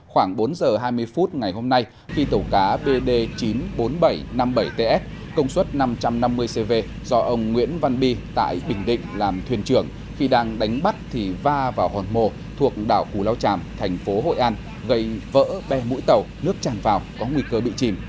khoảng bốn giờ hai mươi phút ngày hôm nay khi tàu cá bd chín mươi bốn nghìn bảy trăm năm mươi bảy ts công suất năm trăm năm mươi cv do ông nguyễn văn bi tại bình định làm thuyền trưởng khi đang đánh bắt thì va vào hòn mồ thuộc đảo cù lao tràm thành phố hội an gây vỡ bè mũi tàu nước tràn vào có nguy cơ bị chìm